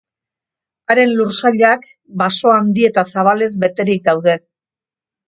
Haren lursailak baso handi eta zabalez beterik daude.